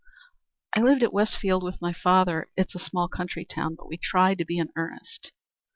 "I lived at Westfield with my father. It is a small country town, but we tried to be in earnest."